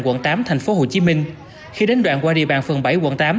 công an quận tám tp hcm khi đến đoạn qua địa bàn phường bảy quận tám